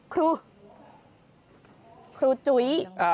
ครูครูจุ๋ย